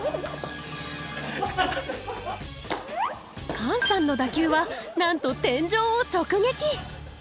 カンさんの打球はなんと天井を直撃